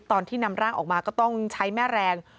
ตอนที่นำร่างออกมาก็ต้องใช้แม่แรง